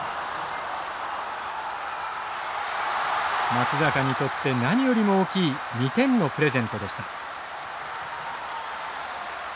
松坂にとって何よりも大きい２点のプレゼントでした。